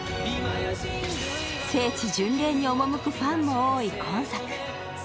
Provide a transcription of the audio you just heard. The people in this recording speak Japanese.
聖地巡礼に赴くファンも多い今作。